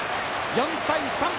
４対３！